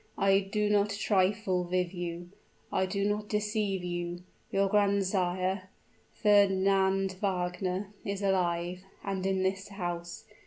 I do not trifle with you I do not deceive you! Your grandsire, Fernand Wagner, is alive and in this house.